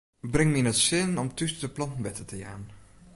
Bring my yn it sin om thús de planten wetter te jaan.